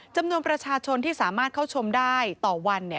จำนวนประชาชนที่สามารถเข้าชมได้ต่อวัน